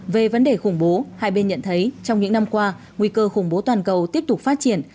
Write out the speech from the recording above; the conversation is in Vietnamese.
về vấn đề khủng bố hai bên nhận thấy trong những năm qua nguy cơ khủng bố toàn cầu tiếp tục phát triển